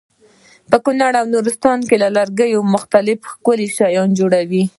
په کونړ او نورستان کې له لرګي مختلف ښکلي شیان جوړوي.